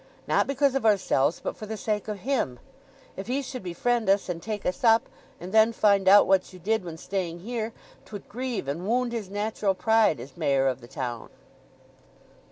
Not because of ourselves, but for the sake of him. If he should befriend us, and take us up, and then find out what you did when staying here, 'twould grieve and wound his natural pride as Mayor of the town."